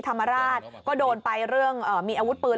ธรรมราชก็โดนไปเรื่องมีอาวุธปืน